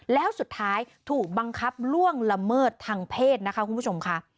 แล้วสุดท้ายถูกบังคับล่วงละเมิดทางเพศนะคะคุณผู้ชมค่ะ